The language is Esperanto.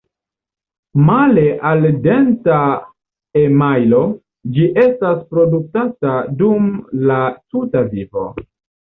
Male al denta emajlo, ĝi estas produktata dum la tuta vivo.